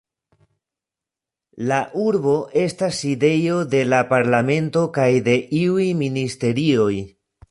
La urbo estas sidejo de la parlamento kaj de iuj ministerioj.